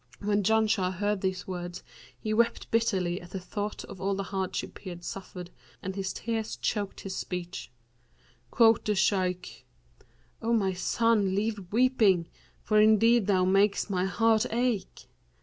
When Janshah heard his words he wept bitterly at the thought of all the hardships he had suffered and his tears choked his speech. Quoth the Shaykh, 'O my son, leave weeping; for indeed thou makest my heart ache.'